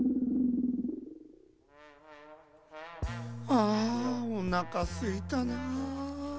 ああおなかすいたなあ。